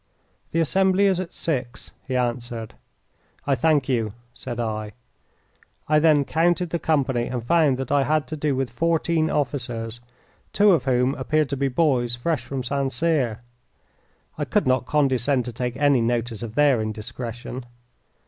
"The assembly is at six," he answered. "I thank you," said I. I then counted the company and found that I had to do with fourteen officers, two of whom appeared to be boys fresh from St. Cyr. I could not condescend to take any notice of their indiscretion.